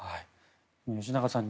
吉永さん